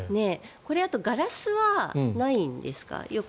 これガラスはないんですか？